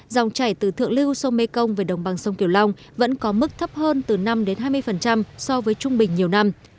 dòng chảy từ thượng lưu sông mê công về đồng bằng sông kiều long vẫn có mức thấp hơn từ năm hai mươi so với trung bình nhiều năm